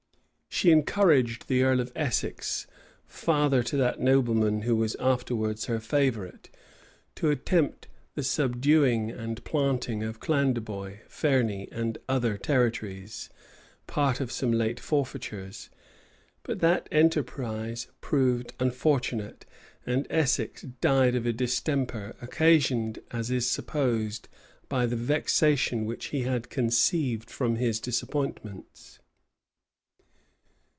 She encouraged the earl of Essex, father to that nobleman who was afterwards her favorite, to attempt the subduing and planting of Clandeboy, Ferny, and other territories, part of some late forfeitures; but that enterprise proved unfortunate; and Essex died of a distemper, occasioned, as is supposed, by the vexation which he had conceived from his disappointments.